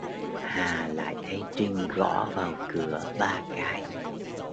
Hà lại thấy Trinh Gõ vào Cửa ba cái